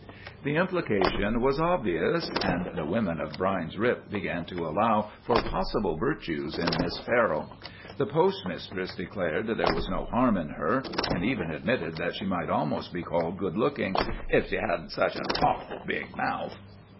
The implication was obvious; and the women of Brine's Rip began to allow for possible virtues in Miss Farrell. The postmistress declared there was no harm in her, and even admitted that she might almost be called good looking "if she hadn't such an awful big mouth."